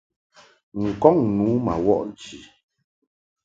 N-kɔŋ nu ma wɔʼ nchi.